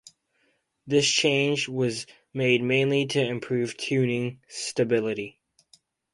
This change was made mainly to improve tuning stability.